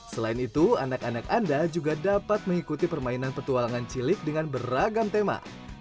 selain itu anak anak anda juga dapat mengikuti permainan petualangan cilik dengan beragam tema